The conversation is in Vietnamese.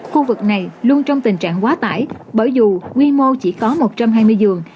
khu vực này luôn trong tình trạng quá tải bởi dù quy mô chỉ có một trăm hai mươi giường